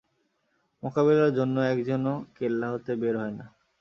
মোকাবিলার জন্য একজনও কেল্লা হতে বের হয় না।